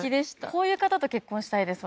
こういう方と結婚したいです